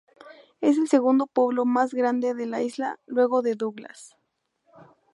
Es el segundo pueblo más grande de la isla luego de Douglas.